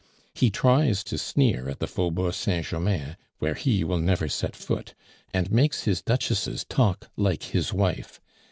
He tries to sneer at the Faubourg Saint Germain, where he will never set foot, and makes his duchesses talk like his wife.